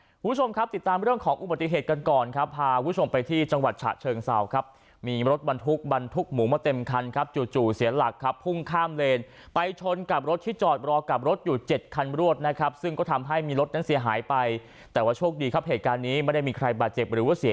คุณผู้ชมครับติดตามเรื่องของอุบัติเหตุกันก่อนครับพาคุณผู้ชมไปที่จังหวัดฉะเชิงเศร้าครับมีรถบรรทุกบรรทุกหมูมาเต็มคันครับจู่จู่เสียหลักครับพุ่งข้ามเลนไปชนกับรถที่จอดรอกับรถอยู่เจ็ดคันรวดนะครับซึ่งก็ทำให้มีรถนั้นเสียหายไปแต่ว่าโชคดีครับเหตุการณ์นี้ไม่ได้มีใครบาดเจ็บหรือว่าเสีย